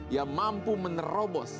yang mampu menerobos